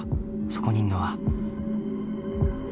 そこにいんのは